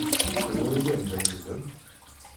Anwa yellan da yid-m?